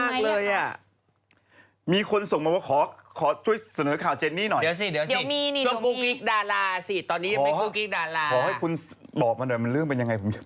ขอให้คุณบอกก่อนหน่อยว่าเรื่องยังไงแบบนี้